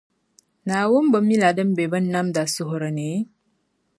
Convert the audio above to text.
Naawuni bi mila din be binnamda suhiri ni?